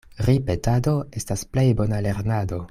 Ripetado estas plej bona lernado.